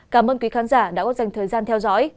cảm ơn quý khán giả đã dành thời gian theo dõi